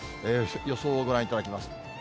予想をご覧いただきます。